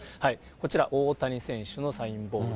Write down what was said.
こちら、大谷選手のサインボール。